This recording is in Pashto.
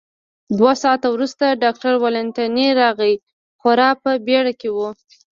دوه ساعته وروسته ډاکټر والنتیني راغی، خورا په بېړه کې و.